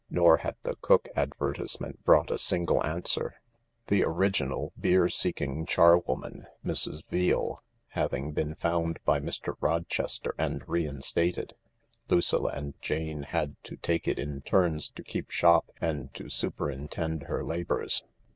Nor had the cook advertisement brought a single answer. The original beer seeking charwoman, Mrs. Veale, having been found by Mr. Rochester and reinstated, Lucilla and Jane had to take it in turns to keep shop and to superintend her labours.